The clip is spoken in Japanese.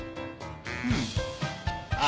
うんああ。